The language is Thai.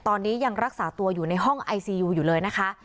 ตอนนี้ยังรักษาตัวอยู่ในห้องไอซียูอยู่เลยนะคะ